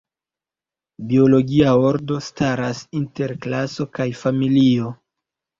Biologia ordo staras inter klaso kaj familio.